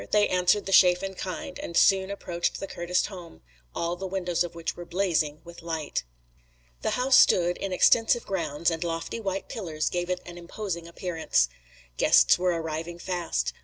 They answered the chaff in kind, and soon approached the Curtis home, all the windows of which were blazing with light. The house stood in extensive grounds, and lofty white pillars gave it an imposing appearance. Guests were arriving fast.